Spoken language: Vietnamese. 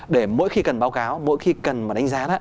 để mỗi khi cần báo cáo mỗi khi cần mà đánh giá đó